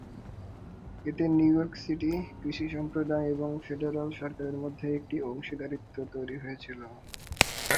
এতে New York city, কৃষি সম্প্রদায় এবং ফেডারাল সরকারের মধ্যে একটি অংশীদারত্ব তৈরি হয়েছিল।